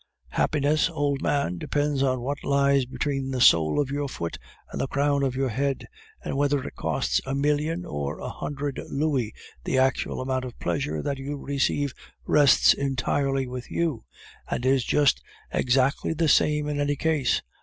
Happiness, old man, depends on what lies between the sole of your foot and the crown of your head; and whether it costs a million or a hundred louis, the actual amount of pleasure that you receive rests entirely with you, and is just exactly the same in any case.